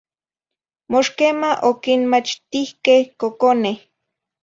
Mox quema oquinmachtihqueh coconeh